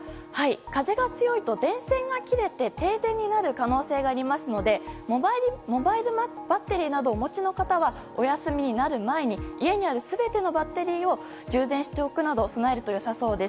風が強いと電線が切れて停電になる可能性がありますのでモバイルバッテリーなどをお持ちの方はお休みになる前に家にある全てのバッテリーを充電しておくなど備えるとよさそうです。